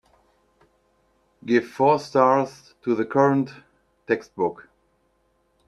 Give four stars to the current textbook